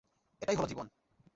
এটাই হলো জীবন।